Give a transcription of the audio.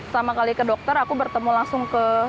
sama kali ke dokter aku bertemu langsung ke